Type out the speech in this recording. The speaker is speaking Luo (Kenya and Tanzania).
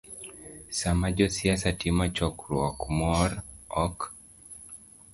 Sama josiasa timo chokruok moro, ok